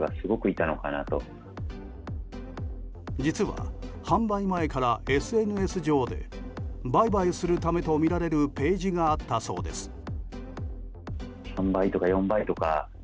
実は販売前からＳＮＳ上で売買するためとみられるページがあったそうです。